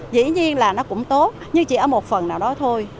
dĩ nhiên là nó cũng tốt nhưng chỉ ở một phần nào đó thôi